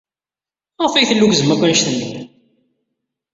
Maɣef ay tellukkzem akk anect-nni?